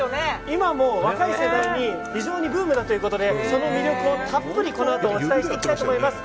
今もう若い世代に非常にブームだということでその魅力をたっぷりと、このあとお伝えしていきたいと思います。